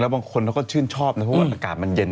บางคนเขาก็ชื่นชอบนะเพราะว่าอากาศมันเย็น